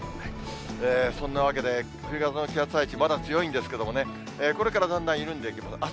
そんなわけで、冬型の気圧配置、まだ強いんですけどもね、これからだんだん緩んでいきます。